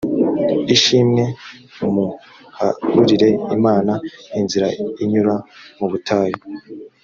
ishimwe muharurire imana inzira inyura mu butayu